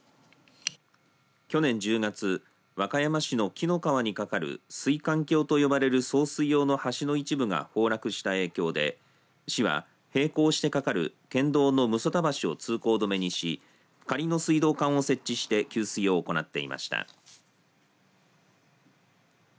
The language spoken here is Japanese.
去年１０月和歌山市の紀の川にかかる水管橋と呼ばれる送水用の橋の一部が崩落した影響で市は、並行して架かる県道の六十谷橋を通行止めし仮の水道管を設置して給水を行っていました。